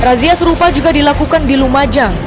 razia serupa juga dilakukan di lumajang